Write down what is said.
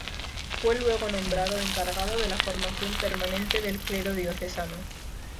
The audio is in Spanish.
Fue luego nombrado encargado de la formación permanente del clero diocesano.